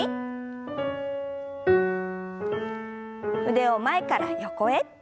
腕を前から横へ。